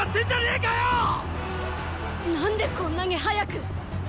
何でこんなに早く！